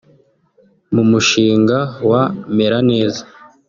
“ Mu mushinga wa Meraneza